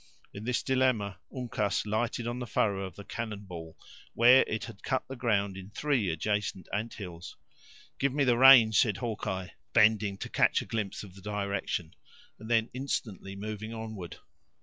In this dilemma, Uncas lighted on the furrow of the cannon ball, where it had cut the ground in three adjacent ant hills. "Give me the range!" said Hawkeye, bending to catch a glimpse of the direction, and then instantly moving onward.